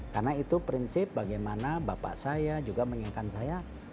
karena itu prinsip bagaimana bapak saya juga mengingatkan saya